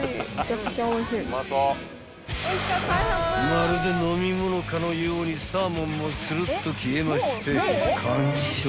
［まるで飲み物かのようにサーモンもするっと消えまして］